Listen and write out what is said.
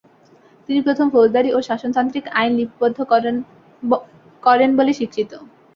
তিনি প্রথম ফৌজদারি ও শাসনতান্ত্রিক আইন লিপিবদ্ধ করণ করেন বলে স্বীকৃত।